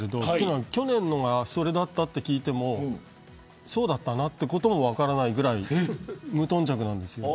去年はそれだったと聞いてもそうだったのかということも分からないぐらい無頓着です。